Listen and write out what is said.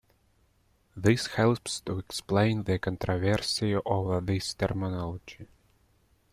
This helps to explain the controversy over this terminology.